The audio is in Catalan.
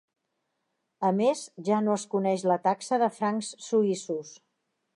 A més, ja no es coneix la taxa de francs suïssos.